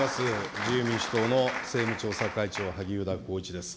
自由民主党の政務調査会長、萩生田光一です。